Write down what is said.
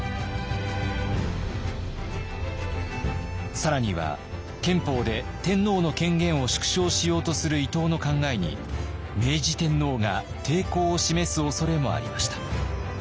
更には憲法で天皇の権限を縮小しようとする伊藤の考えに明治天皇が抵抗を示すおそれもありました。